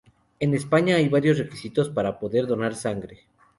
En España hay varios requisitos para poder donar sangre.